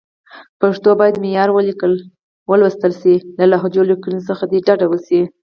پښتو باید معیاري ولیکل او ولوستل شي، له لهجوي لیکنو څخه دې ډډه وشي.